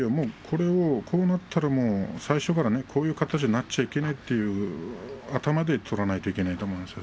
こうなったら最初からこういう形になっていけないという頭で取らないといけないと思いますね。